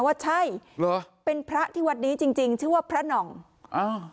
ว่าใช่เหรอเป็นพระที่วัดนี้จริงจริงชื่อว่าพระหน่องอ้าว